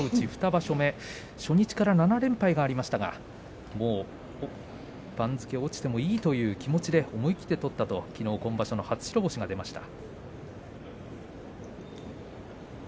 ２場所目初日から７連敗がありましたが番付落ちてもいいという気持ちで思い切って取ったときのう今場所の初白星が出ました。